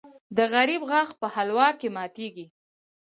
د غریب غاښ په حلوا کې ماتېږي.